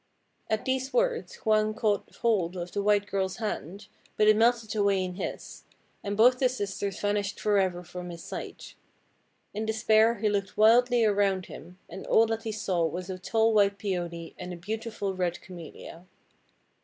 At these words Hwang caught hold of the white girl's hand, but it melted away in his; and both the sisters vanished forever from his sight. In despair he looked wildly around him, and all that he saw was a tall white Peony and a beautiful red Camellia.